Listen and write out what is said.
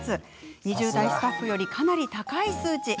２０代のスタッフよりかなり高い数値。